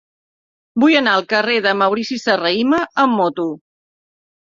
Vull anar al carrer de Maurici Serrahima amb moto.